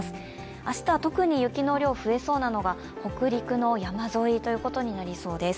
明日は特に雪の量が増えそうなのが北陸の山沿いとなりそうです。